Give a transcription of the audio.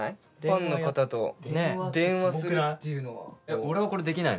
ファンの方と電話するっていうのは。